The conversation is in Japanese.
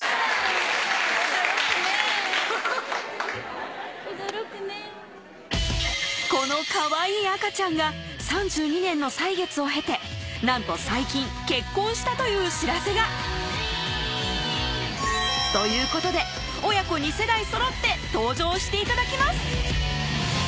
驚くねぇ驚くねこのかわいい赤ちゃんが３２年の歳月を経てなんと最近結婚したという知らせがということで親子二世代そろって登場して頂きます